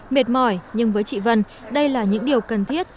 mệt mỏi nhưng với chị vân đây là những điều cần thiết